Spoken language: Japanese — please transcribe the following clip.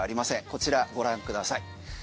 こちらご覧ください。